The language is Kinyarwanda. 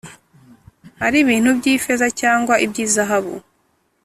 ari ibintu by’ifeza cyangwa iby’izahabu